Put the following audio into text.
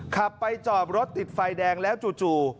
ขับไปจอดรถติดไฟแดงแล้วจู่